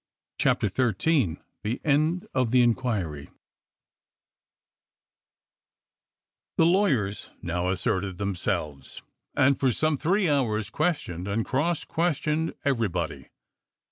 CHAPTER XIII THE END OF THE INQUIRY THE lawyers now asserted themselves, and for some three hours questioned and cross ques tioned everybody.